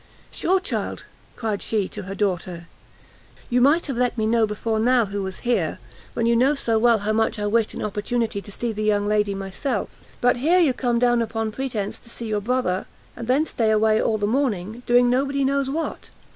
"Sure, Child," cried she, to her daughter, "you might have let me know before now who was here, when you knew so well how much I wished an opportunity to see the young lady myself; but here you come down upon pretence to see your brother, and then stay away all the morning, doing nobody knows what."